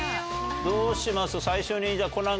どうします？